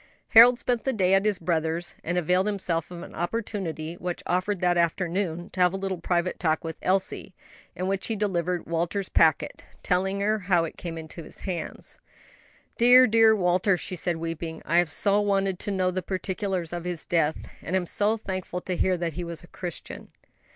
Harold spent the day at his brother's, and availed himself of an opportunity, which offered that afternoon, to have a little private talk with Elsie, in which he delivered Walter's packet, telling her how it came into his hands. "Dear, dear Walter," she said, weeping, "I have so wanted to know the particulars of his death, and am so thankful to hear that he was a Christian."